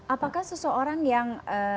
apakah seseorang yang